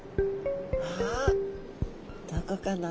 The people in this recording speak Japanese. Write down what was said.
あどこかな？